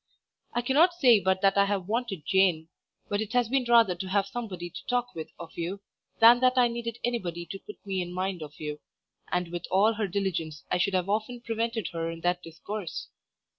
I cannot say but that I have wanted Jane; but it has been rather to have somebody to talk with of you, than that I needed anybody to put me in mind of you, and with all her diligence I should have often prevented her in that discourse.